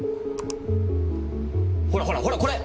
ほらほらほらこれ！